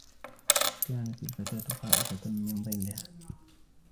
كانت الفتاة خائفة من ظلها.